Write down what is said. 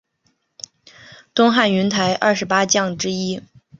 东汉云台二十八将之一。